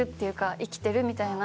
生きてるみたいな。